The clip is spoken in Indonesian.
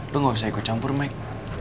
lo nggak usah ikut campur maik